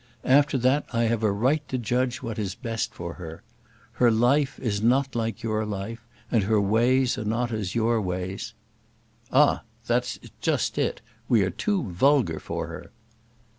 After that, I have a right to judge what is best for her. Her life is not like your life, and her ways are not as your ways " "Ah, that is just it; we are too vulgar for her."